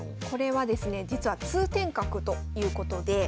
これはですね実は通天閣ということで。